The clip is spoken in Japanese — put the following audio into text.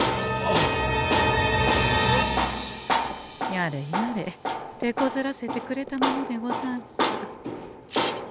やれやれてこずらせてくれたものでござんす。